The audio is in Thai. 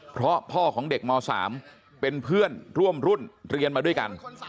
เพราะพ่อของเด็กม๓เป็นเพื่อนร่วมรุ่นเรียนมาด้วยกัน